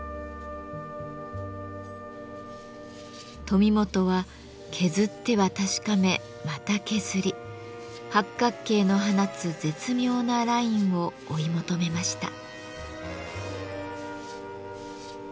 富本は削っては確かめまた削り八角形の放つ絶妙なラインを追い求めました。